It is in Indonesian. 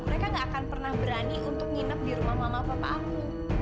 mereka gak akan pernah berani untuk nginep di rumah mama papa aku